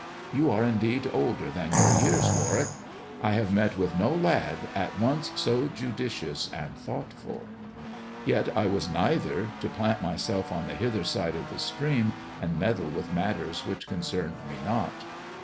"You are indeed older than your years, Warwick. I have met with no lad at once so judicious and thoughtful" " Yet I was neither, to plant myself on the hither side of the stream, and meddle with matters which concerned me not."